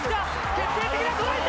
決定的なトライか？